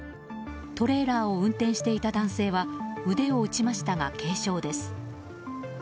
トレーラーを運転していた男性は腕を打ちましたが軽傷です。